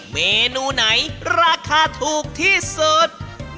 เมนูไหนราคาถูกที่สุด